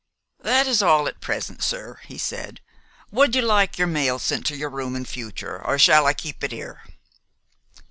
"That is all at present, sir," he said. "Would you like your mail sent to your room in future, or shall I keep it here?"